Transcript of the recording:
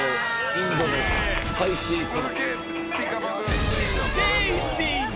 インドのスパイシー粉。